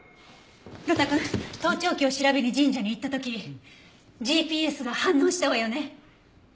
呂太くん盗聴器を調べに神社に行った時ＧＰＳが反応したわよね？